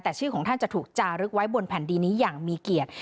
แต่ชื่อของท่านจะถูกจารึกไว้บนแผ่นดินนี้อย่างมีเกียรติ